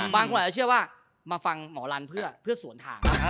บางคนอาจจะเชื่อว่ามาฟังหมอลันเพื่อสวนทาง